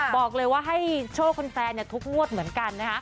บอกเลยให้โชคคนแฟนทุกโมทเหมือนกัน